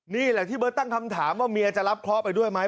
นี่แหละที่เบิร์ตตั้งคำถามว่าเมียจะรับเคราะห์ไปด้วยไหม